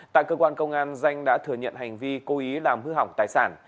tại cơ quan công an danh đã thừa nhận hành vi cố ý làm hư hỏng tài sản